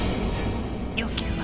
要求は？